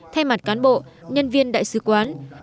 theo mặt cán bộ nhân viên đại sứ quán việt nam